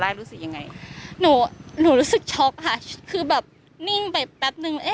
รู้รู้สึกยังไงหนูรู้สึกช็อคค่ะคือแบบนิ้นไปแป๊บนึง